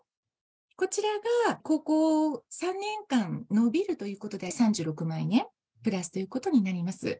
こちらが高校３年間延びるということで、３６万円プラスになります。